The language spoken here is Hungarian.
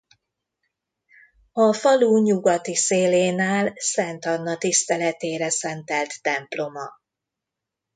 A falu nyugati szélén áll Szent Anna tiszteletére szentelt temploma.